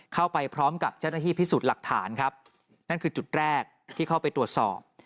เข้าไปพร้อมกับเจ้าหน้าที่พิสูจน์หลักฐานครับนั่นคือจุดแรกที่เข้าไปตรวจสอบ